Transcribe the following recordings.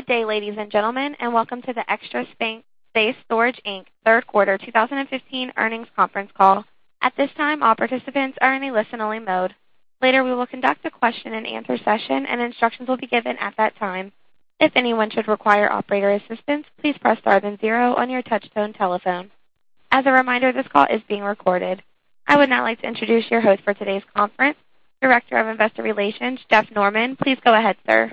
Good day, ladies and gentlemen, and welcome to the Extra Space Storage Inc. third quarter 2015 earnings conference call. At this time, all participants are in a listen-only mode. Later, we will conduct a question and answer session, and instructions will be given at that time. If anyone should require operator assistance, please press star then zero on your touch-tone telephone. As a reminder, this call is being recorded. I would now like to introduce your host for today's conference, Director of Investor Relations, Scott Stubbs. Please go ahead, sir.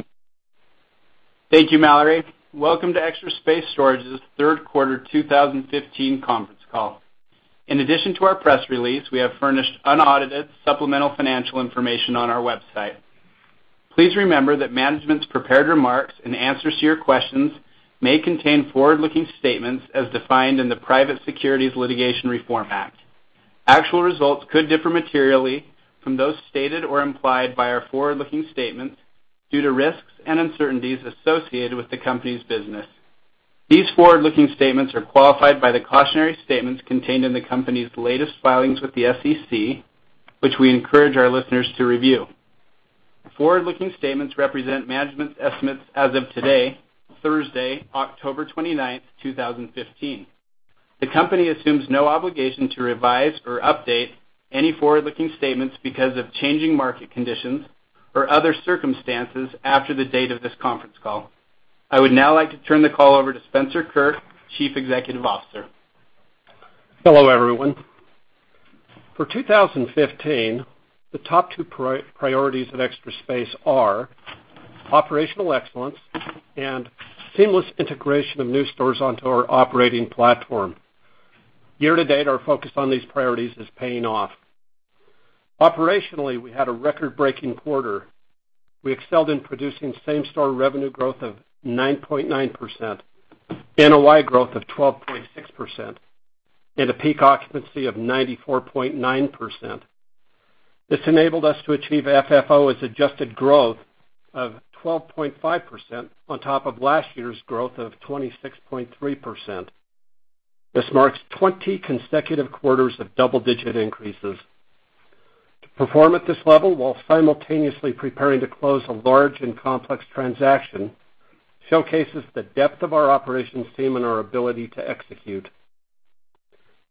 Thank you, Mallory. Welcome to Extra Space Storage's third quarter 2015 conference call. In addition to our press release, we have furnished unaudited supplemental financial information on our website. Please remember that management's prepared remarks and answers to your questions may contain forward-looking statements as defined in the Private Securities Litigation Reform Act. Actual results could differ materially from those stated or implied by our forward-looking statements due to risks and uncertainties associated with the company's business. These forward-looking statements are qualified by the cautionary statements contained in the company's latest filings with the SEC, which we encourage our listeners to review. Forward-looking statements represent management's estimates as of today, Thursday, October 29th, 2015. The company assumes no obligation to revise or update any forward-looking statements because of changing market conditions or other circumstances after the date of this conference call. I would now like to turn the call over to Spencer Kirk, Chief Executive Officer. Hello, everyone. For 2015, the top two priorities at Extra Space are operational excellence and seamless integration of new stores onto our operating platform. Year to date, our focus on these priorities is paying off. Operationally, we had a record-breaking quarter. We excelled in producing same-store revenue growth of 9.9%, NOI growth of 12.6%, and a peak occupancy of 94.9%. This enabled us to achieve FFO as adjusted growth of 12.5% on top of last year's growth of 26.3%. This marks 20 consecutive quarters of double-digit increases. To perform at this level while simultaneously preparing to close a large and complex transaction showcases the depth of our operations team and our ability to execute.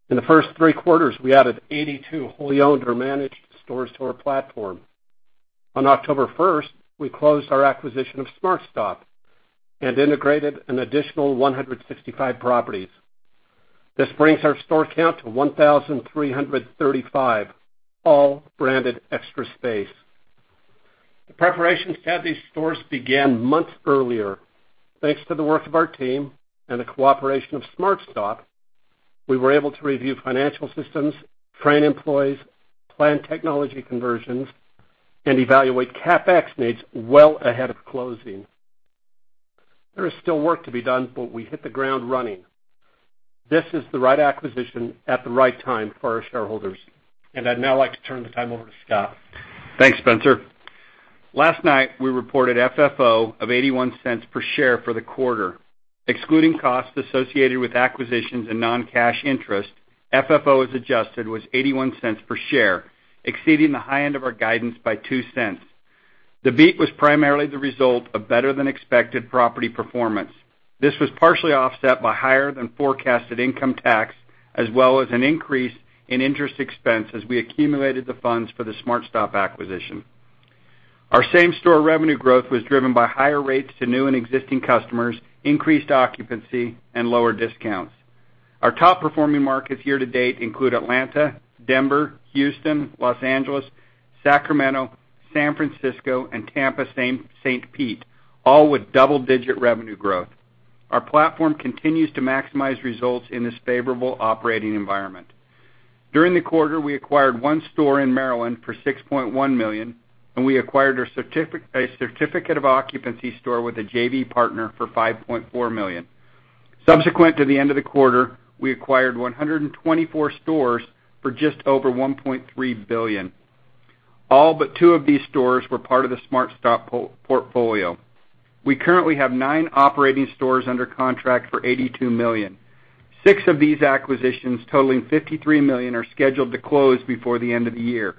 In the first three quarters, we added 82 wholly owned or managed stores to our platform. On October 1st, we closed our acquisition of SmartStop and integrated an additional 165 properties. This brings our store count to 1,335, all branded Extra Space. The preparation to have these stores began months earlier. Thanks to the work of our team and the cooperation of SmartStop, we were able to review financial systems, train employees, plan technology conversions, and evaluate CapEx needs well ahead of closing. There is still work to be done, but we hit the ground running. This is the right acquisition at the right time for our shareholders. I'd now like to turn the time over to Scott. Thanks, Spencer. Last night, we reported FFO of $0.81 per share for the quarter. Excluding costs associated with acquisitions and non-cash interest, FFO, as adjusted, was $0.81 per share, exceeding the high end of our guidance by $0.02. The beat was primarily the result of better than expected property performance. This was partially offset by higher than forecasted income tax, as well as an increase in interest expense as we accumulated the funds for the SmartStop acquisition. Our same-store revenue growth was driven by higher rates to new and existing customers, increased occupancy, and lower discounts. Our top performing markets year to date include Atlanta, Denver, Houston, Los Angeles, Sacramento, San Francisco, and Tampa-St. Pete, all with double-digit revenue growth. Our platform continues to maximize results in this favorable operating environment. During the quarter, we acquired one store in Maryland for $6.1 million, and we acquired a certificate of occupancy store with a JV partner for $5.4 million. Subsequent to the end of the quarter, we acquired 124 stores for just over $1.3 billion. All but two of these stores were part of the SmartStop portfolio. We currently have nine operating stores under contract for $82 million. Six of these acquisitions, totaling $53 million, are scheduled to close before the end of the year.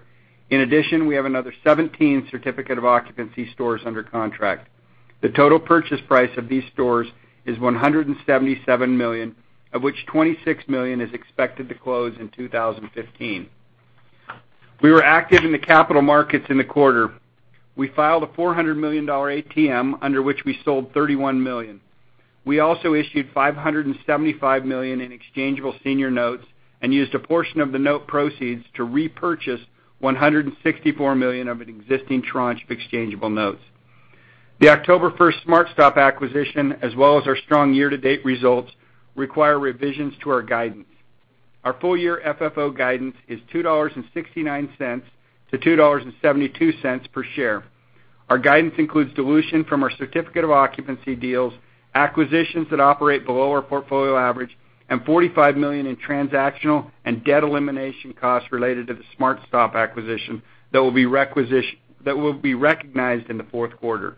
In addition, we have another 17 certificate of occupancy stores under contract. The total purchase price of these stores is $177 million, of which $26 million is expected to close in 2015. We were active in the capital markets in the quarter. We filed a $400 million ATM, under which we sold $31 million. We also issued $575 million in exchangeable senior notes and used a portion of the note proceeds to repurchase $164 million of an existing tranche of exchangeable notes. The October 1st SmartStop acquisition, as well as our strong year-to-date results, require revisions to our guidance. Our full year FFO guidance is $2.69-$2.72 per share. Our guidance includes dilution from our certificate of occupancy deals, acquisitions that operate below our portfolio average, and $45 million in transactional and debt elimination costs related to the SmartStop acquisition that will be recognized in the fourth quarter.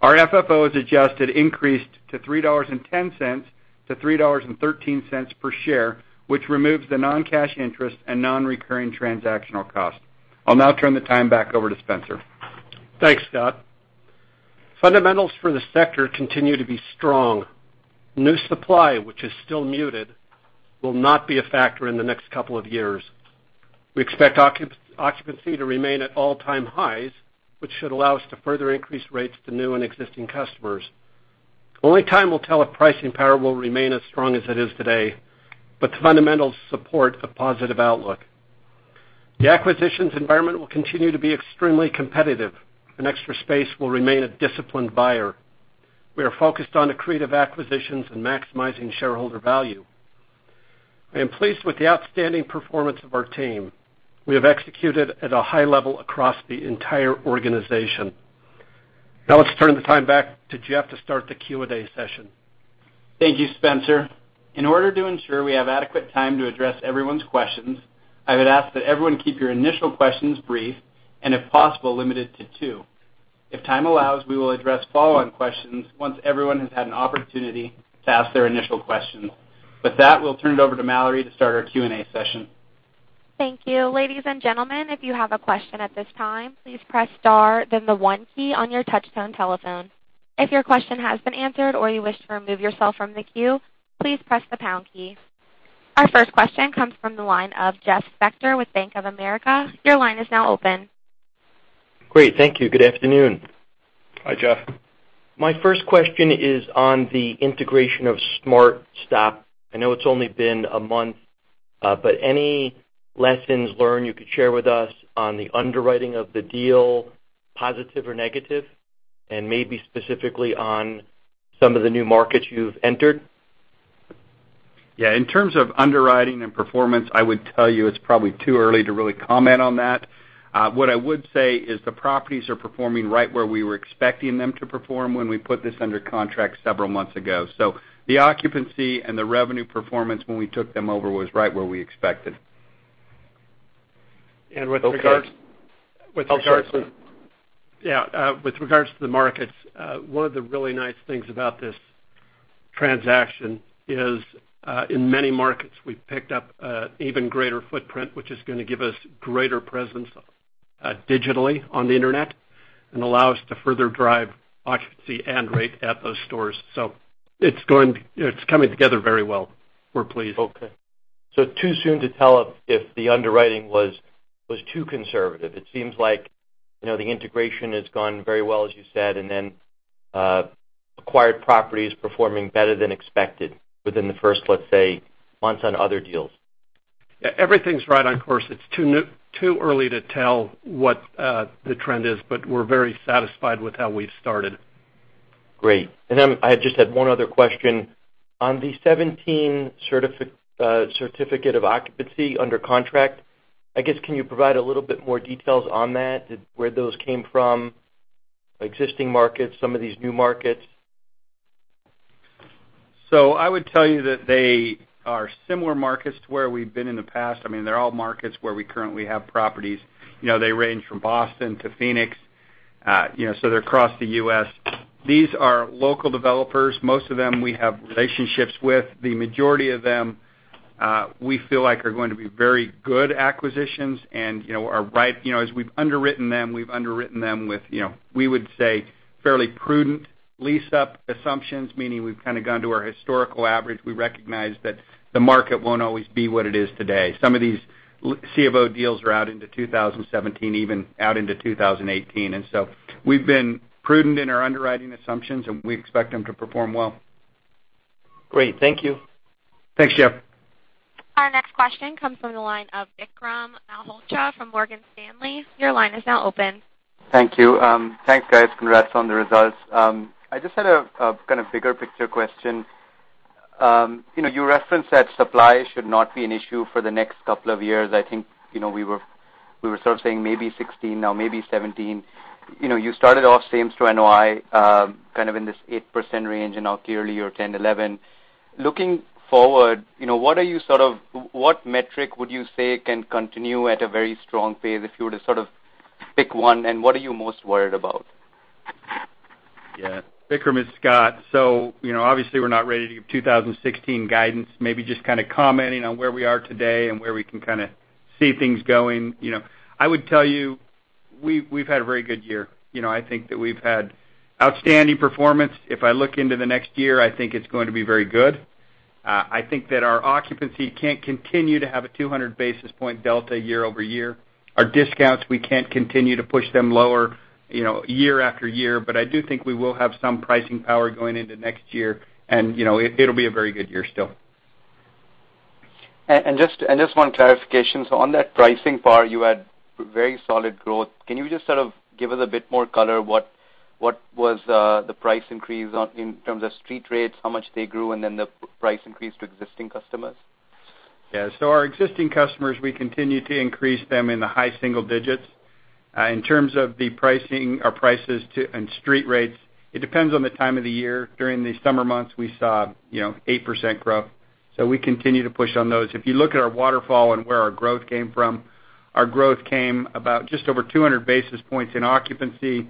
Our FFO, as adjusted, increased to $3.10-$3.13 per share, which removes the non-cash interest and non-recurring transactional cost. I'll now turn the time back over to Spencer. Thanks, Scott. Fundamentals for the sector continue to be strong. New supply, which is still muted, will not be a factor in the next couple of years. We expect occupancy to remain at all-time highs, which should allow us to further increase rates to new and existing customers. Only time will tell if pricing power will remain as strong as it is today, but the fundamentals support a positive outlook. The acquisitions environment will continue to be extremely competitive, and Extra Space will remain a disciplined buyer. We are focused on accretive acquisitions and maximizing shareholder value. I am pleased with the outstanding performance of our team. We have executed at a high level across the entire organization. Now let's turn the time back to Jeff to start the Q&A session. Thank you, Spencer. In order to ensure we have adequate time to address everyone's questions, I would ask that everyone keep your initial questions brief, and if possible, limited to two. If time allows, we will address follow-on questions once everyone has had an opportunity to ask their initial questions. With that, we'll turn it over to Mallory to start our Q&A session. Thank you. Ladies and gentlemen, if you have a question at this time, please press star then the one key on your touchtone telephone. If your question has been answered or you wish to remove yourself from the queue, please press the pound key. Our first question comes from the line of Jeffrey Spector with Bank of America. Your line is now open. Great. Thank you. Good afternoon. Hi, Jeff. My first question is on the integration of SmartStop. I know it's only been a month, but any lessons learned you could share with us on the underwriting of the deal, positive or negative, and maybe specifically on some of the new markets you've entered? Yeah, in terms of underwriting and performance, I would tell you it's probably too early to really comment on that. What I would say is the properties are performing right where we were expecting them to perform when we put this under contract several months ago. The occupancy and the revenue performance when we took them over was right where we expected. With regards. Okay. I'll check soon. Yeah. With regards to the markets, one of the really nice things about this transaction is, in many markets, we've picked up even greater footprint, which is going to give us greater presence digitally on the internet and allow us to further drive occupancy and rate at those stores. It's coming together very well. We're pleased. Okay. Too soon to tell if the underwriting was too conservative. It seems like the integration has gone very well, as you said, and then acquired properties performing better than expected within the first, let's say, months on other deals. Yeah, everything's right on course. It's too early to tell what the trend is, but we're very satisfied with how we've started. Great. I just had one other question. On the 17 certificate of occupancy under contract, I guess, can you provide a little bit more details on that? Where those came from, existing markets, some of these new markets? I would tell you that they are similar markets to where we've been in the past. I mean, they're all markets where we currently have properties. They range from Boston to Phoenix, so they're across the U.S. These are local developers. Most of them we have relationships with. The majority of them, we feel like are going to be very good acquisitions and as we've underwritten them, we've underwritten them with, we would say, fairly prudent leased-up assumptions, meaning we've kind of gone to our historical average. We recognize that the market won't always be what it is today. Some of these C of O deals are out into 2017, even out into 2018. We've been prudent in our underwriting assumptions, and we expect them to perform well. Great. Thank you. Thanks, Jeff. Our next question comes from the line of Vikram Malhotra from Morgan Stanley. Your line is now open. Thank you. Thanks, guys. Congrats on the results. I just had a kind of bigger picture question. You referenced that supply should not be an issue for the next couple of years. I think we were sort of saying maybe 2016, now maybe 2017. You started off same-store NOI kind of in this 8% range, now clearly you're 10%, 11%. Looking forward, what metric would you say can continue at a very strong pace if you were to sort of pick one, and what are you most worried about? Yeah. Vikram, it's Scott. Obviously we're not ready to give 2016 guidance, maybe just kind of commenting on where we are today and where we can kind of see things going. I would tell you, we've had a very good year. I think that we've had outstanding performance. If I look into the next year, I think it's going to be very good. I think that our occupancy can't continue to have a 200 basis point delta year-over-year. Our discounts, we can't continue to push them lower year after year. I do think we will have some pricing power going into next year, and it'll be a very good year still. Just one clarification. On that pricing part, you had very solid growth. Can you just sort of give us a bit more color? What was the price increase in terms of street rates, how much they grew, and then the price increase to existing customers? Yeah. Our existing customers, we continue to increase them in the high single digits. In terms of our prices and street rates, it depends on the time of the year. During the summer months, we saw 8% growth. We continue to push on those. If you look at our waterfall and where our growth came from, our growth came about just over 200 basis points in occupancy.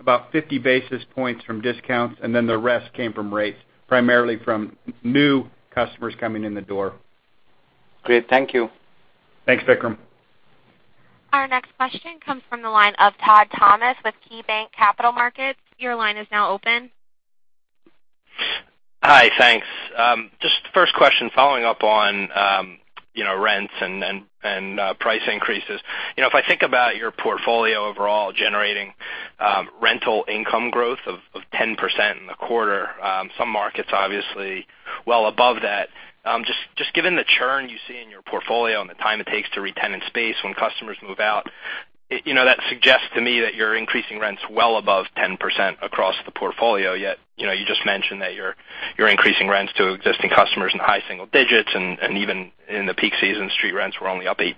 About 50 basis points from discounts, the rest came from rates, primarily from new customers coming in the door. Great. Thank you. Thanks, Vikram. Our next question comes from the line of Todd Thomas with KeyBanc Capital Markets. Your line is now open. Hi, thanks. Just the first question following up on rents and price increases. If I think about your portfolio overall generating rental income growth of 10% in the quarter, some markets obviously well above that. Just given the churn you see in your portfolio and the time it takes to re-tenant space when customers move out, that suggests to me that you're increasing rents well above 10% across the portfolio. Yet, you just mentioned that you're increasing rents to existing customers in high single digits, and even in the peak season, street rents were only up 8%.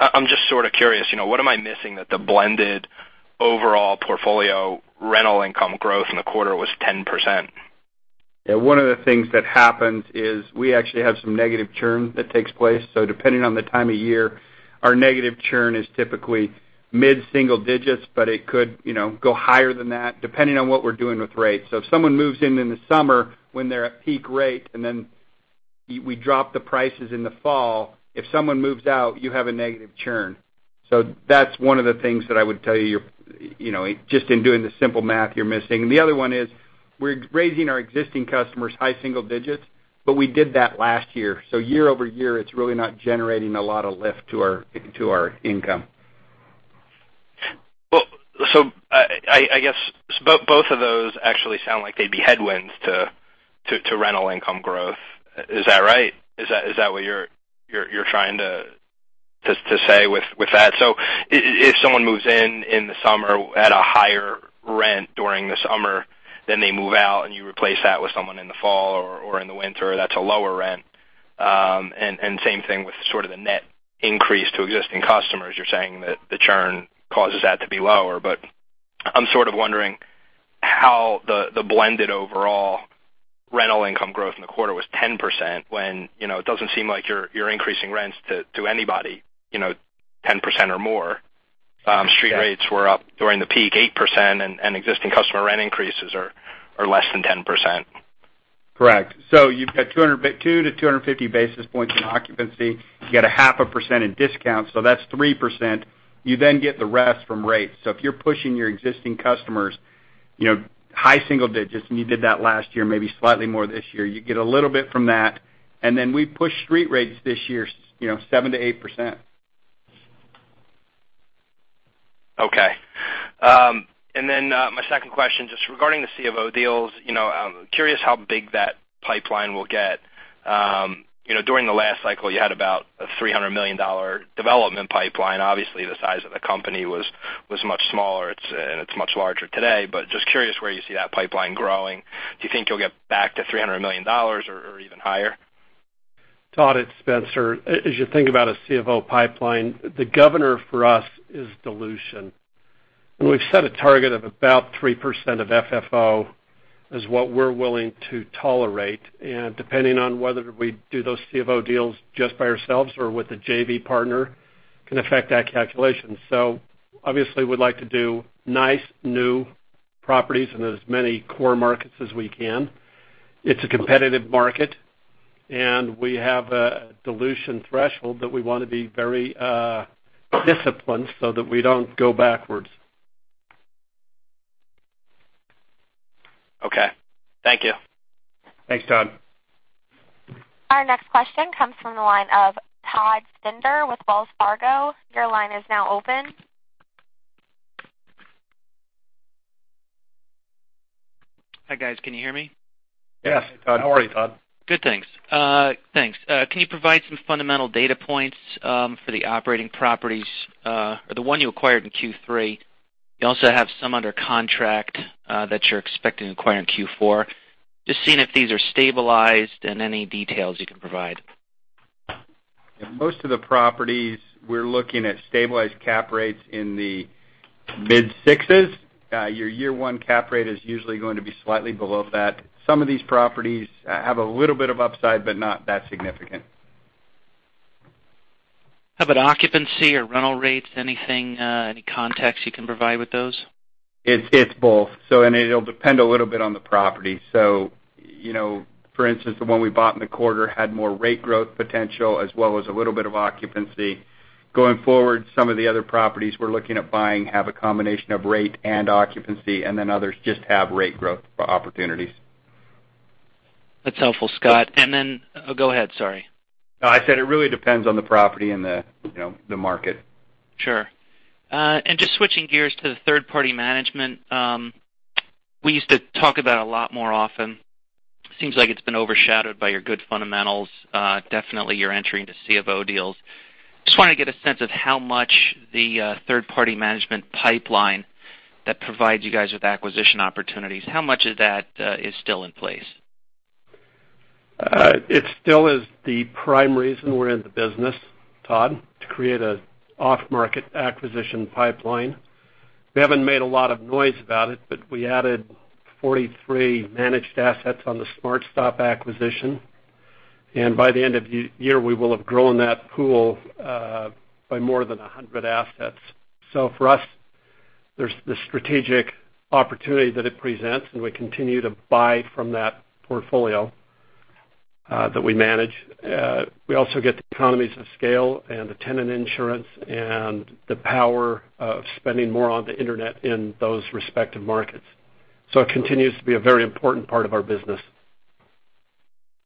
I'm just sort of curious, what am I missing that the blended overall portfolio rental income growth in the quarter was 10%? Yeah. One of the things that happens is we actually have some negative churn that takes place. Depending on the time of year, our negative churn is typically mid-single digits, but it could go higher than that depending on what we're doing with rates. If someone moves in in the summer when they're at peak rate, and then we drop the prices in the fall, if someone moves out, you have a negative churn. That's one of the things that I would tell you, just in doing the simple math, you're missing. The other one is we're raising our existing customers high single digits, but we did that last year. Year-over-year, it's really not generating a lot of lift to our income. I guess both of those actually sound like they'd be headwinds to rental income growth. Is that right? Is that what you're trying to say with that? If someone moves in in the summer at a higher rent during the summer, then they move out and you replace that with someone in the fall or in the winter, that's a lower rent. Same thing with sort of the net increase to existing customers. You're saying that the churn causes that to be lower. I'm sort of wondering how the blended overall rental income growth in the quarter was 10% when it doesn't seem like you're increasing rents to anybody 10% or more. Street rates were up during the peak 8%, and existing customer rent increases are less than 10%. Correct. You've got 200 to 250 basis points in occupancy. You got a half a percent in discount, that's 3%. You get the rest from rates. If you're pushing your existing customers high single digits, and you did that last year, maybe slightly more this year, you get a little bit from that. We pushed street rates this year 7%-8%. Okay. My second question, just regarding the C of O deals. I'm curious how big that pipeline will get. During the last cycle, you had about a $300 million development pipeline. Obviously, the size of the company was much smaller, and it's much larger today. Just curious where you see that pipeline growing. Do you think you'll get back to $300 million or even higher? Todd, it's Spencer. As you think about a C of O pipeline, the governor for us is dilution. We've set a target of about 3% of FFO as what we're willing to tolerate. Depending on whether we do those C of O deals just by ourselves or with a JV partner, can affect that calculation. Obviously, we'd like to do nice, new properties in as many core markets as we can. It's a competitive market, and we have a dilution threshold that we want to be very disciplined so that we don't go backwards. Okay. Thank you. Thanks, Todd. Our next question comes from the line of Todd Stender with Wells Fargo. Your line is now open. Hi, guys. Can you hear me? Yes. Hey, Todd. How are you, Todd? Good, thanks. Can you provide some fundamental data points for the operating properties or the one you acquired in Q3? You also have some under contract that you're expecting to acquire in Q4. Just seeing if these are stabilized and any details you can provide. Most of the properties, we're looking at stabilized cap rates in the mid-sixes. Your year one cap rate is usually going to be slightly below that. Some of these properties have a little bit of upside, but not that significant. How about occupancy or rental rates? Anything, any context you can provide with those? It's both. It'll depend a little bit on the property. For instance, the one we bought in the quarter had more rate growth potential as well as a little bit of occupancy. Going forward, some of the other properties we're looking at buying have a combination of rate and occupancy, others just have rate growth opportunities. That's helpful, Scott. Oh, go ahead, sorry. No, I said it really depends on the property and the market. Sure. Just switching gears to the third-party management. We used to talk about a lot more often. Seems like it's been overshadowed by your good fundamentals. Definitely you're entering into C of O deals. Just want to get a sense of how much the third-party management pipeline that provides you guys with acquisition opportunities, how much of that is still in place? It still is the prime reason we're in the business, Todd, to create an off-market acquisition pipeline. We haven't made a lot of noise about it, but we added 43 managed assets on the SmartStop acquisition. By the end of the year, we will have grown that pool by more than 100 assets. For us, there's the strategic opportunity that it presents, and we continue to buy from that portfolio that we manage. We also get the economies of scale and the tenant insurance and the power of spending more on the internet in those respective markets. It continues to be a very important part of our business.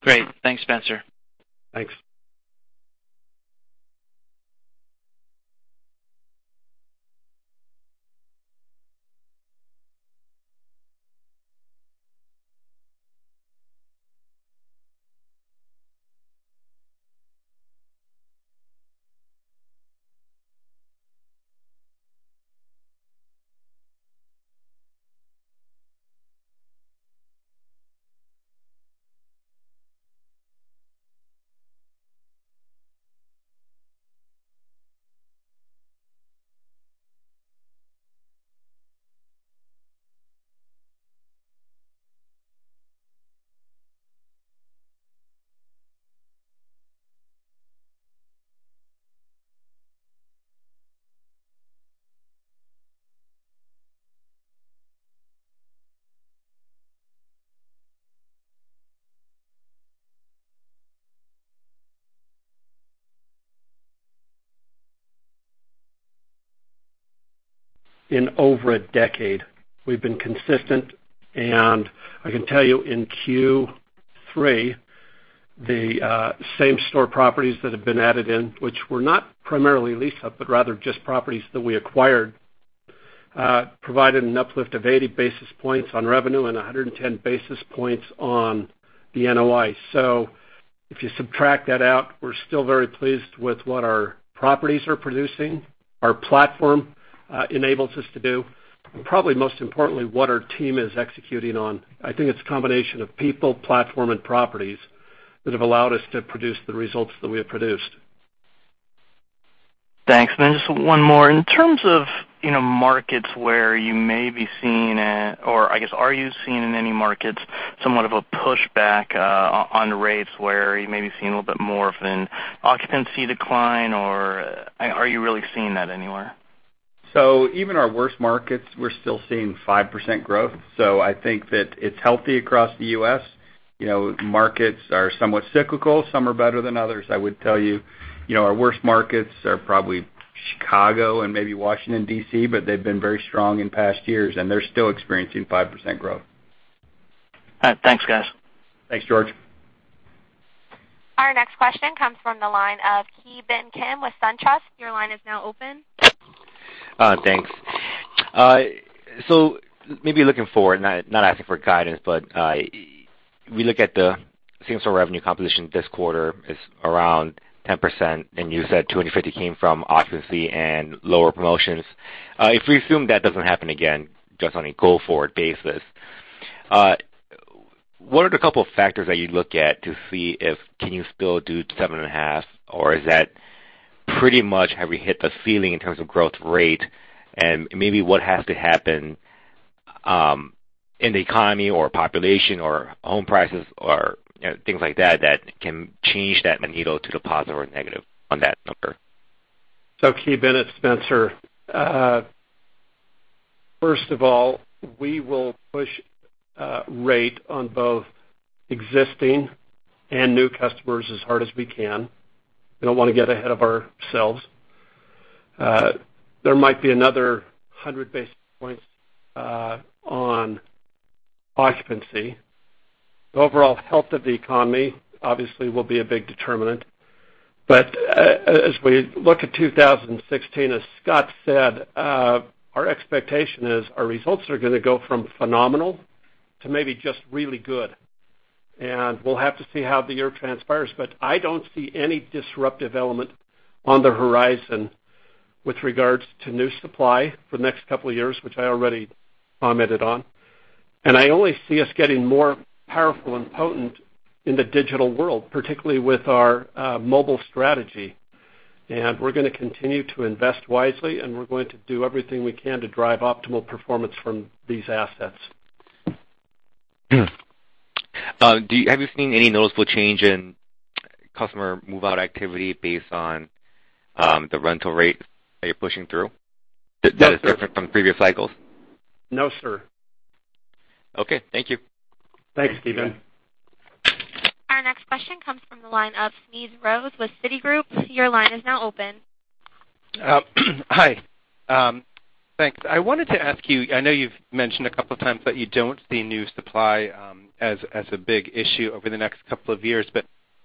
Great. Thanks, Spencer. Thanks. In over a decade, we've been consistent, and I can tell you in Q3, the same-store properties that have been added in, which were not primarily lease-up, but rather just properties that we acquired, provided an uplift of 80 basis points on revenue and 110 basis points on the NOI. If you subtract that out, we're still very pleased with what our properties are producing, our platform enables us to do, and probably most importantly, what our team is executing on. I think it's a combination of people, platform, and properties that have allowed us to produce the results that we have produced. Thanks. Then just one more. In terms of markets where you may be seeing, or I guess, are you seeing in any markets somewhat of a pushback on rates where you're maybe seeing a little bit more of an occupancy decline, or are you really seeing that anywhere? Even our worst markets, we're still seeing 5% growth. I think that it's healthy across the U.S. Markets are somewhat cyclical. Some are better than others, I would tell you. Our worst markets are probably Chicago and maybe Washington, D.C., but they've been very strong in past years, and they're still experiencing 5% growth. All right. Thanks, guys. Thanks, George. Our next question comes from the line of Ki Bin Kim with SunTrust. Your line is now open. Thanks. Maybe looking forward, not asking for guidance, but we look at the same-store revenue composition this quarter is around 10%, and you said 250 came from occupancy and lower promotions. If we assume that doesn't happen again, just on a go-forward basis, what are the couple of factors that you'd look at to see if can you still do 7.5%, or is that pretty much have we hit the ceiling in terms of growth rate? Maybe what has to happen in the economy or population or home prices or things like that can change that needle to the positive or negative on that number? Ki Bin, it's Spencer. First of all, we will push rate on both existing and new customers as hard as we can. We don't want to get ahead of ourselves. There might be another 100 basis points on occupancy. The overall health of the economy obviously will be a big determinant. As we look at 2016, as Scott said, our expectation is our results are going to go from phenomenal to maybe just really good. We'll have to see how the year transpires. I don't see any disruptive element on the horizon with regards to new supply for the next couple of years, which I already commented on. I only see us getting more powerful and potent in the digital world, particularly with our mobile strategy. We're going to continue to invest wisely, and we're going to do everything we can to drive optimal performance from these assets. Have you seen any noticeable change in customer move-out activity based on the rental rate that you're pushing through that is different from previous cycles? No, sir. Okay. Thank you. Thanks, Ki Bin. Our next question comes from the line of Smedes Rose with Citigroup. Your line is now open. Hi. Thanks. I wanted to ask you, I know you've mentioned a couple of times that you don't see new supply as a big issue over the next couple of years.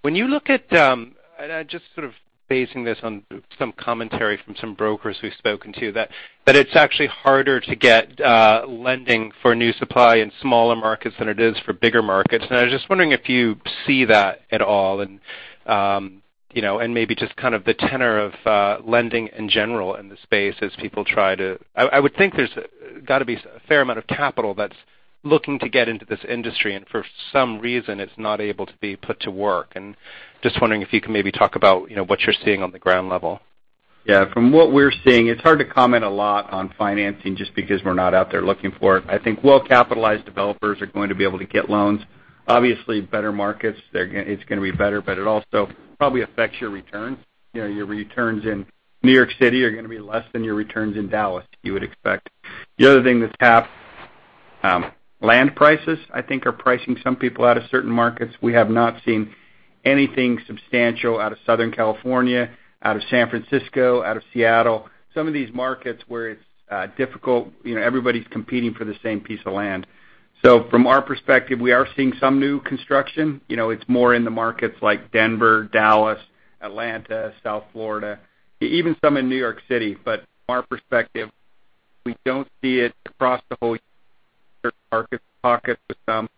When you look at, and I'm just sort of basing this on some commentary from some brokers we've spoken to, that it's actually harder to get lending for new supply in smaller markets than it is for bigger markets. I was just wondering if you see that at all, and maybe just kind of the tenor of lending in general in the space as people try to. I would think there's got to be a fair amount of capital that's looking to get into this industry, and for some reason, it's not able to be put to work. Just wondering if you could maybe talk about what you're seeing on the ground level. From what we're seeing, it's hard to comment a lot on financing just because we're not out there looking for it. I think well-capitalized developers are going to be able to get loans. Obviously, better markets, it's going to be better, but it also probably affects your returns. Your returns in New York City are going to be less than your returns in Dallas, you would expect. The other thing that's happened, land prices, I think, are pricing some people out of certain markets. We have not seen anything substantial out of Southern California, out of San Francisco, out of Seattle. Some of these markets where it's difficult, everybody's competing for the same piece of land. From our perspective, we are seeing some new construction. It's more in the markets like Denver, Dallas, Atlanta, South Florida, even some in New York City. From our perspective, we don't see it across the whole market, pockets of some,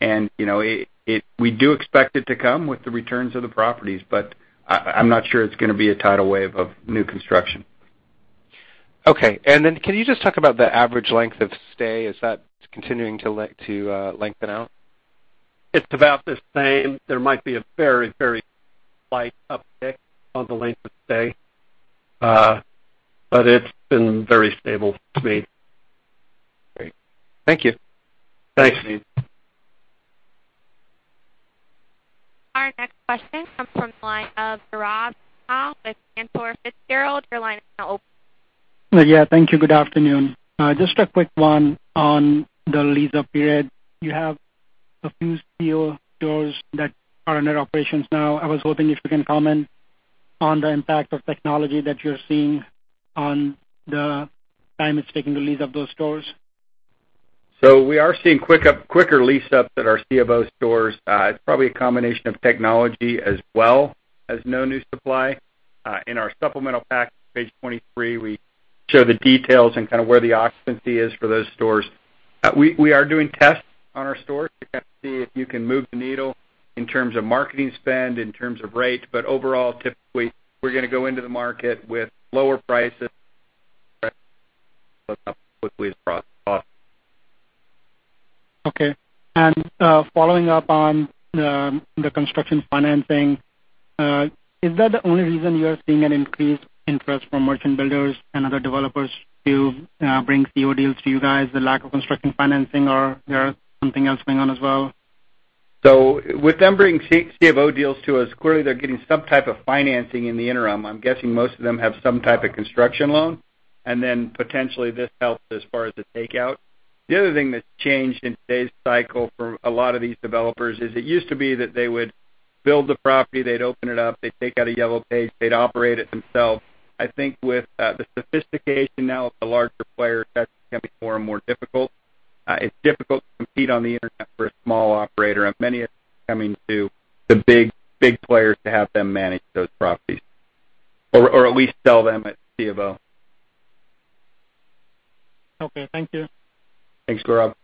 and we do expect it to come with the returns of the properties, but I'm not sure it's going to be a tidal wave of new construction. Okay. Can you just talk about the average length of stay? Is that continuing to lengthen out? It's about the same. There might be a very light uptick on the length of stay. It's been very stable for me. Great. Thank you. Thanks. Our next question comes from the line of Gaurav Mehta with Cantor Fitzgerald. Your line is now open. Yeah, thank you. Good afternoon. Just a quick one on the lease-up period. You have a few C of O stores that are under operations now. I was hoping if you can comment on the impact of technology that you're seeing on the time it's taking to lease up those stores. We are seeing quicker lease-ups at our C of O stores. It's probably a combination of technology as well as no new supply. In our supplemental pack, page 23, we show the details and kind of where the occupancy is for those stores. We are doing tests on our stores to kind of see if you can move the needle in terms of marketing spend, in terms of rate. Overall, typically, we're going to go into the market with lower prices, quickly as possible. Following up on the construction financing, is that the only reason you are seeing an increased interest from merchant builders and other developers to bring C of O deals to you guys, the lack of construction financing, or there are something else going on as well? With them bringing C of O deals to us, clearly they're getting some type of financing in the interim. I'm guessing most of them have some type of construction loan, and then potentially this helps as far as the takeout. The other thing that's changed in today's cycle for a lot of these developers is it used to be that they would build the property, they'd open it up, they'd take out a Yellow Page, they'd operate it themselves. I think with the sophistication now of the larger players, that's becoming more and more difficult. It's difficult to compete on the Internet for a small operator, and many are coming to the big players to have them manage those properties, or at least sell them at C of O. Thank you. Thanks, Gaurav.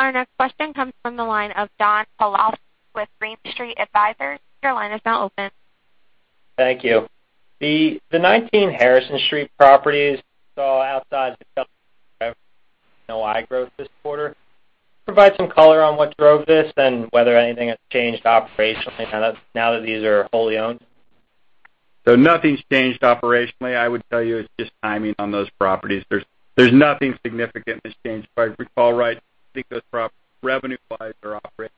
Our next question comes from the line of Don Paolotti with Green Street Advisors. Your line is now open. Thank you. The 19 Harrison Street properties saw outside revenue NOI growth this quarter. Provide some color on what drove this and whether anything has changed operationally now that these are wholly owned. Nothing's changed operationally. I would tell you it's just timing on those properties. There's nothing significant that's changed. If I recall right, I think those properties, revenue-wise, are operating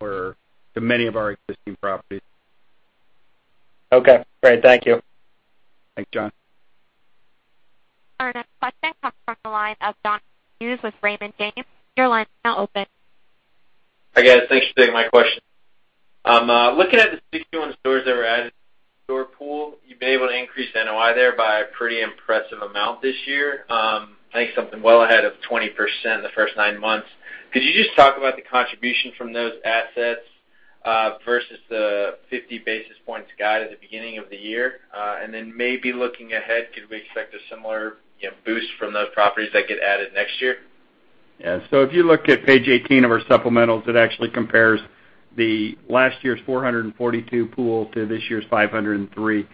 or to many of our existing properties. Okay, great. Thank you. Thanks, Don. Our next question comes from the line of Jonathan Hughes with Raymond James. Your line is now open. Hi, guys. Thanks for taking my question. Looking at the 61 stores that were added to the store pool, you've been able to increase NOI there by a pretty impressive amount this year. I think something well ahead of 20% in the first nine months. Could you just talk about the contribution from those assets, versus the 50 basis points guide at the beginning of the year? Maybe looking ahead, could we expect a similar boost from those properties that get added next year? Yeah. If you look at page 18 of our supplementals, it actually compares the last year's 442 pool to this year's 503.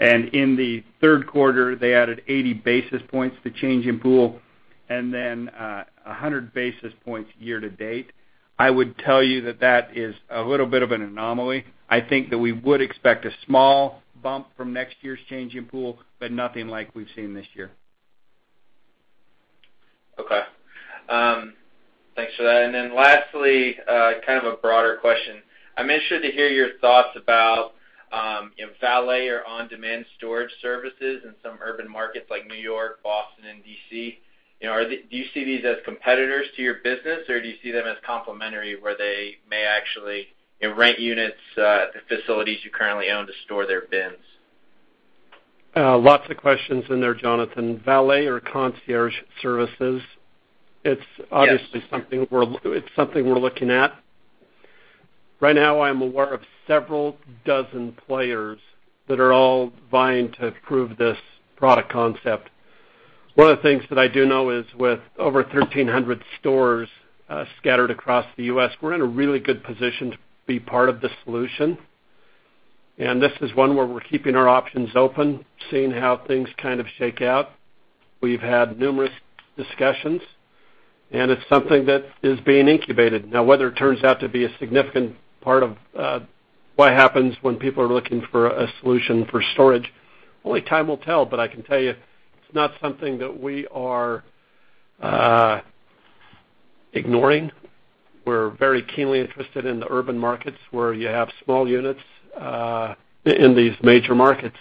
In the third quarter, they added 80 basis points to change in pool, and then 100 basis points year to date. I would tell you that that is a little bit of an anomaly. I think that we would expect a small bump from next year's change in pool, but nothing like we've seen this year. Okay. Thanks for that. Lastly, kind of a broader question. I'm interested to hear your thoughts about valet or on-demand storage services in some urban markets like New York, Boston, and D.C. Do you see these as competitors to your business, or do you see them as complementary, where they may actually rent units at the facilities you currently own to store their bins? Lots of questions in there, Jonathan. Valet or concierge services, it's obviously something we're looking at. Right now, I'm aware of several dozen players that are all vying to prove this product concept. One of the things that I do know is with over 1,300 stores scattered across the U.S., we're in a really good position to be part of the solution. This is one where we're keeping our options open, seeing how things kind of shake out. We've had numerous discussions It's something that is being incubated. Now, whether it turns out to be a significant part of what happens when people are looking for a solution for storage, only time will tell. I can tell you it's not something that we are ignoring. We're very keenly interested in the urban markets where you have small units in these major markets.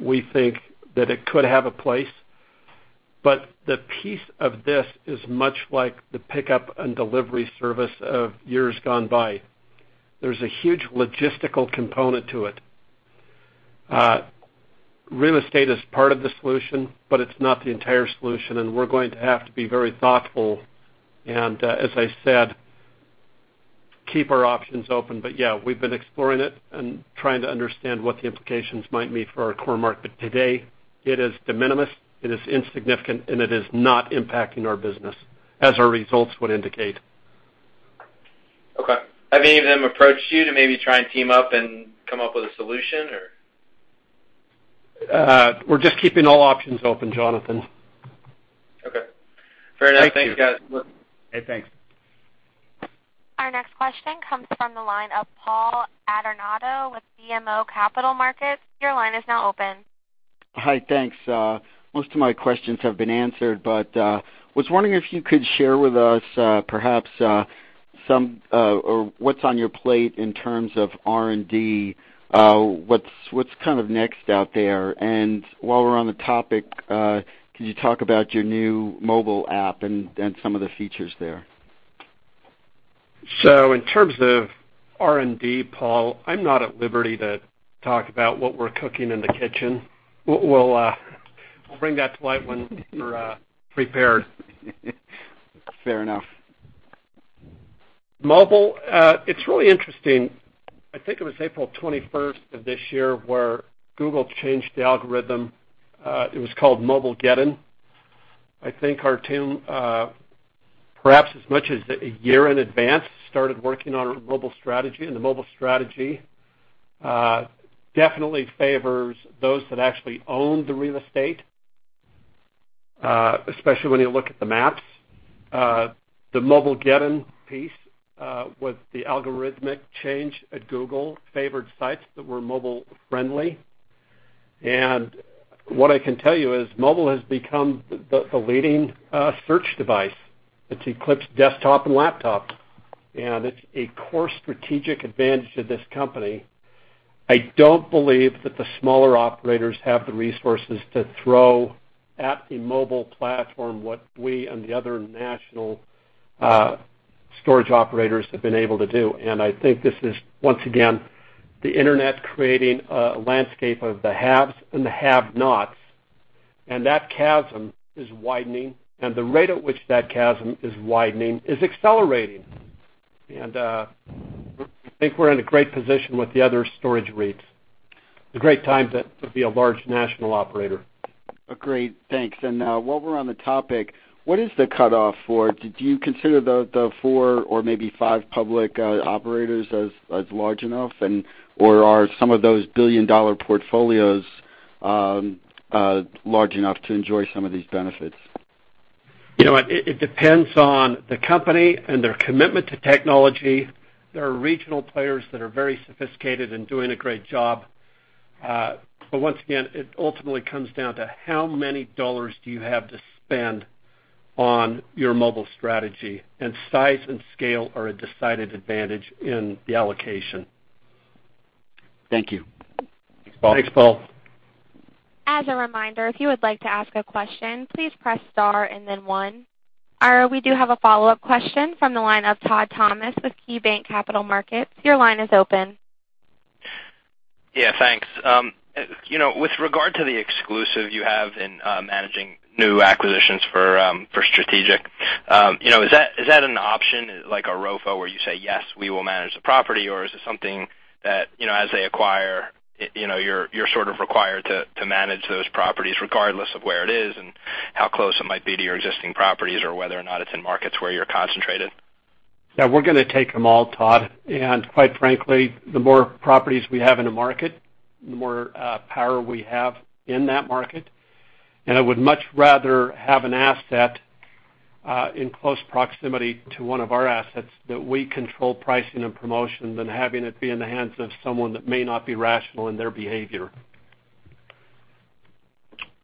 We think that it could have a place. The piece of this is much like the pickup and delivery service of years gone by. There's a huge logistical component to it. Real estate is part of the solution, but it's not the entire solution, we're going to have to be very thoughtful and, as I said, keep our options open. Yeah, we've been exploring it and trying to understand what the implications might be for our core market. Today, it is de minimis, it is insignificant, it is not impacting our business, as our results would indicate. Okay. Have any of them approached you to maybe try and team up and come up with a solution, or? We're just keeping all options open, Jonathan. Okay. Fair enough. Thank you. Thanks, guys. Hey, thanks. Our next question comes from the line of Paul Adornato with BMO Capital Markets. Your line is now open. Hi. Thanks. Most of my questions have been answered, but was wondering if you could share with us perhaps what's on your plate in terms of R&D. What's kind of next out there, and while we're on the topic, could you talk about your new mobile app and some of the features there? In terms of R&D, Paul, I'm not at liberty to talk about what we're cooking in the kitchen. We'll bring that to light when we're prepared. Fair enough. Mobile, it's really interesting. I think it was April 21st of this year where Google changed the algorithm. It was called Mobilegeddon. I think our team, perhaps as much as a year in advance, started working on a mobile strategy, the mobile strategy definitely favors those that actually own the real estate, especially when you look at the maps. The Mobilegeddon piece with the algorithmic change at Google favored sites that were mobile friendly. What I can tell you is mobile has become the leading search device. It's eclipsed desktop and laptop, and it's a core strategic advantage to this company. I don't believe that the smaller operators have the resources to throw at the mobile platform what we and the other national storage operators have been able to do. I think this is, once again, the internet creating a landscape of the haves and the have-nots, that chasm is widening and the rate at which that chasm is widening is accelerating. I think we're in a great position with the other storage REITs. It's a great time to be a large national operator. Great. Thanks. While we're on the topic, what is the cutoff for? Do you consider the four or maybe five public operators as large enough, or are some of those billion-dollar portfolios large enough to enjoy some of these benefits? It depends on the company and their commitment to technology. There are regional players that are very sophisticated and doing a great job. Once again, it ultimately comes down to how many dollars do you have to spend on your mobile strategy, and size and scale are a decided advantage in the allocation. Thank you. Thanks, Paul. As a reminder, if you would like to ask a question, please press star and then one. We do have a follow-up question from the line of Todd Thomas with KeyBanc Capital Markets. Your line is open. Yeah. Thanks. With regard to the exclusive you have in managing new acquisitions for Strategic, is that an option, like a ROFO where you say, "Yes, we will manage the property," or is it something that, as they acquire, you're sort of required to manage those properties regardless of where it is and how close it might be to your existing properties or whether or not it's in markets where you're concentrated? Yeah. We're going to take them all, Todd. Quite frankly, the more properties we have in a market, the more power we have in that market. I would much rather have an asset in close proximity to one of our assets that we control pricing and promotion than having it be in the hands of someone that may not be rational in their behavior.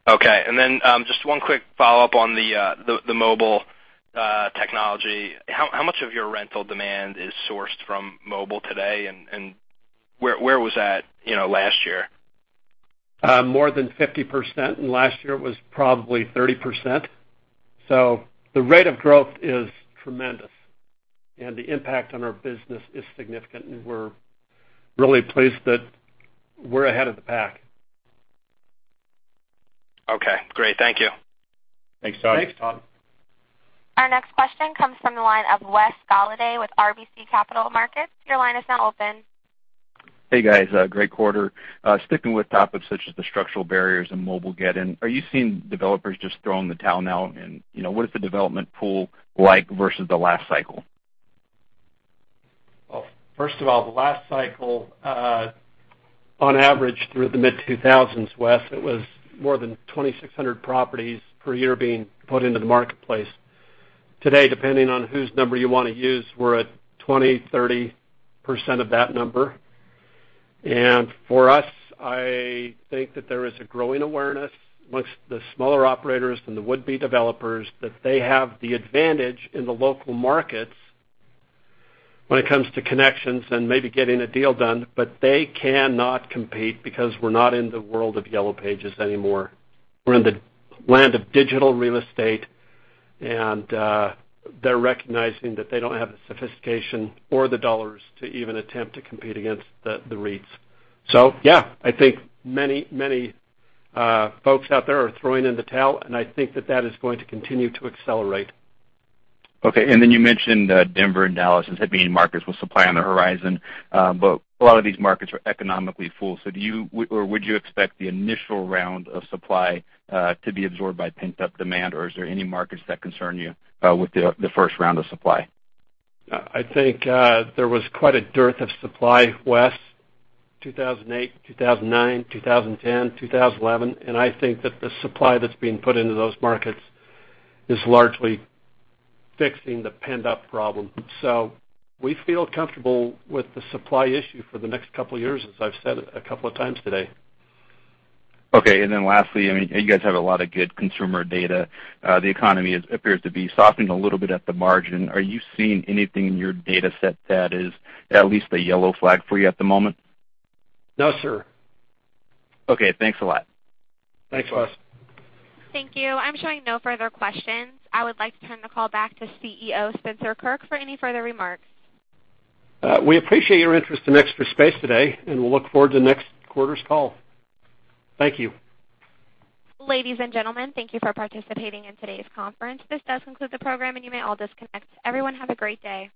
Okay. Then just one quick follow-up on the mobile technology. How much of your rental demand is sourced from mobile today, and where was that last year? More than 50%, and last year it was probably 30%. The rate of growth is tremendous and the impact on our business is significant, and we're really pleased that we're ahead of the pack. Okay, great. Thank you. Thanks, Todd. Our next question comes from the line of Wes Golladay with RBC Capital Markets. Your line is now open. Hey, guys. Great quarter. Sticking with topics such as the structural barriers and Mobilegeddon, are you seeing developers just throwing the towel now? What is the development pool like versus the last cycle? Well, first of all, the last cycle, on average, through the mid-2000s, Wes, it was more than 2,600 properties per year being put into the marketplace. Today, depending on whose number you want to use, we're at 20%, 30% of that number. For us, I think that there is a growing awareness amongst the smaller operators and the would-be developers that they have the advantage in the local markets when it comes to connections and maybe getting a deal done, but they cannot compete because we're not in the world of yellow pages anymore. We're in the land of digital real estate. They're recognizing that they don't have the sophistication or the dollars to even attempt to compete against the REITs. Yeah, I think many folks out there are throwing in the towel, and I think that that is going to continue to accelerate. Okay. Then you mentioned Denver and Dallas as head-beating markets with supply on the horizon. A lot of these markets are economically full. Do you, or would you expect the initial round of supply to be absorbed by pent-up demand? Is there any markets that concern you with the first round of supply? I think there was quite a dearth of supply, Wes, 2008, 2009, 2010, 2011. I think that the supply that's being put into those markets is largely fixing the pent-up problem. We feel comfortable with the supply issue for the next couple of years, as I've said a couple of times today. Okay, then lastly, you guys have a lot of good consumer data. The economy appears to be softening a little bit at the margin. Are you seeing anything in your data set that is at least a yellow flag for you at the moment? No, sir. Okay, thanks a lot. Thanks, Wes. Thank you. I'm showing no further questions. I would like to turn the call back to CEO, Spencer Kirk, for any further remarks. We appreciate your interest in Extra Space today, and we'll look forward to next quarter's call. Thank you. Ladies and gentlemen, thank you for participating in today's conference. This does conclude the program, and you may all disconnect. Everyone, have a great day.